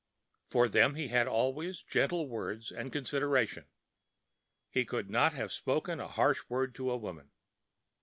For them he had always gentle words and consideration. He could not have spoken a harsh word to a woman.